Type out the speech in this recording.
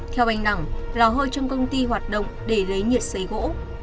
theo anh đẳng lò hơi trong công ty hoạt động để lấy nhiệt sấy gỗ